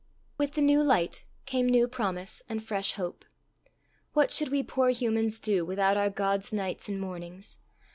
With the new light came new promise and fresh hope. What should we poor humans do without our God's nights and mornings?